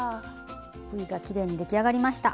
Ｖがきれいに出来上がりました。